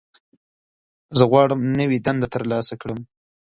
زه غواړم نوې دنده ترلاسه کړم.